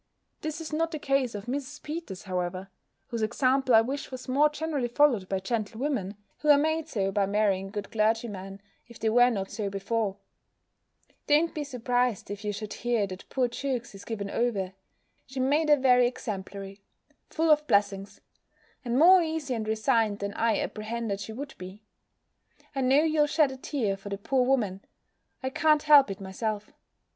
This is not the case of Mrs. Peters, however; whose example I wish was more generally followed by gentlewomen, who are made so by marrying good clergymen, if they were not so before. Don't be surprised, if you should hear that poor Jewkes is given over! She made a very exemplary Full of blessings And more easy and resigned, than I apprehended she would be. I know you'll shed a tear for the poor woman: I can't help it myself.